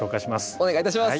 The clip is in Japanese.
お願いいたします。